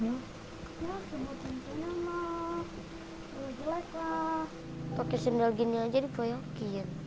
atau pakai sendal gini aja dipoyokin